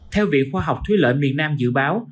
theo viện khoa học thúy lợi miền nam dự báo